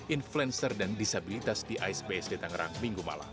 influencer dan disabilitas di aisb sd tangerang minggu malam